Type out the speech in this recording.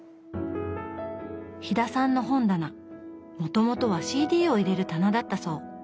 飛田さんの本棚もともとはＣＤを入れる棚だったそう。